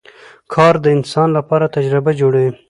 کار د انسان لپاره تجربه جوړوي